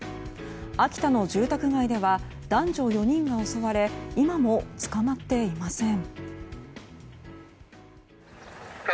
秋田の住宅街では男女４人が襲われ今も捕まっていません。